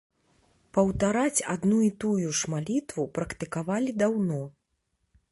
Паўтараць адну і тую ж малітву практыкавалі даўно.